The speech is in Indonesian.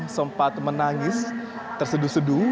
sempat menangis terseduh seduh